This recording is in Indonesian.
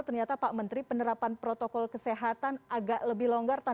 ternyata pak menteri penerapan protokol kesehatan agak lebih longgar